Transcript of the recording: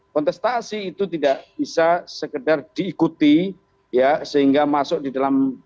kontestasi itu tidak bisa sekedar diikuti ya sehingga masuk di dalam